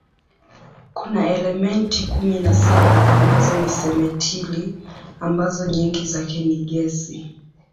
Kuna elementi kumi na saba ambazo ni simetili ambazo nyingi zake ni gesi.